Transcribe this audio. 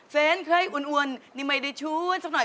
แฟนเคยอ้วนนี่ไม่ได้ชวนสักหน่อย